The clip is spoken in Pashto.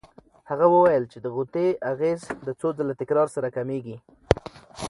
هغه وویل چې د غوطې اغېز د څو ځله تکرار سره کمېږي.